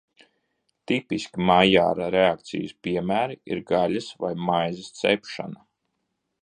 Tipiski Maijāra reakcijas piemēri ir gaļas vai maizes cepšana.